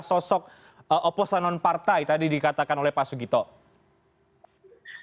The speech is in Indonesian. masa dieser itu berbahaya banget mungkin klub yang lain nnj